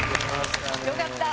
よかった。